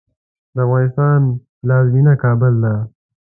د افغانستان پلازمېنه کابل ده